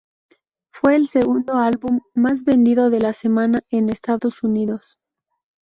Fue el segundo álbum más vendido de la semana en Estados Unidos.